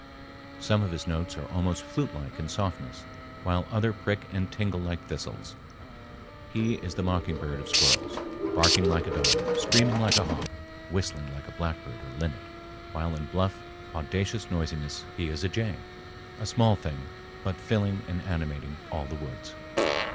Some of his notes are almost flutelike in softness, while others prick and tingle like thistles. He is the mockingbird of squirrels, barking like a dog, screaming like a hawk, whistling like a blackbird or linnet, while in bluff, audacious noisiness he is a jay. A small thing, but filling and animating all the woods.